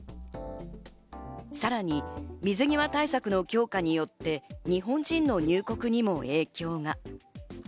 さらに水際対策の強化によって、日本人の入国にも影響が。